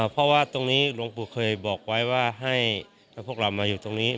เพราะว่าตรงนี้หลวงปู่เคยบอกไว้ว่าให้พวกเรามาอยู่ตรงนี้